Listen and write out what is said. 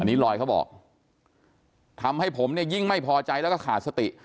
อันนี้ลอยเขาบอกทำให้ผมเนี่ยยิ่งไม่พอใจแล้วก็ขาดสติ